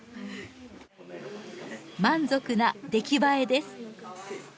満足な出来栄えです。